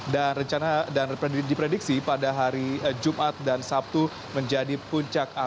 dan di prediksi pada hari jumat dan sabtu menjadi puncak